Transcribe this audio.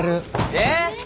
えっ！